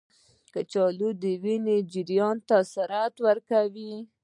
کچالو د وینې جریان ته سرعت ورکوي.